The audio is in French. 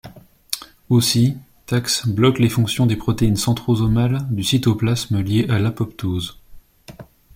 Aussi, Tax bloque les fonctions des protéines centrosomales du cytoplasmes liées à l’apoptose.